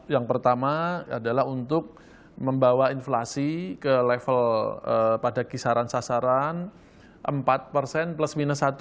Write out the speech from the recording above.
yang pertama adalah untuk membawa inflasi ke level pada kisaran sasaran empat persen plus minus satu